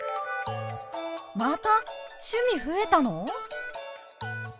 また趣味増えたの！？